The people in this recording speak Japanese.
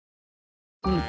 うん。